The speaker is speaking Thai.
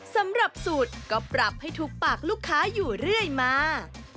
สำหรับสูตรก็ปรับให้ถูกปากลูกค้าอยู่เรื่อยมา